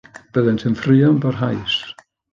Byddent yn ffraeo yn barhaus.